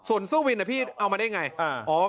ส่วนซู่วินคือเอามาได้อย่างไร